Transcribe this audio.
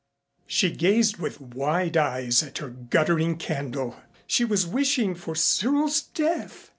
She gazed with wide eyes at her guttering candle. She was wishing for Cyril's death!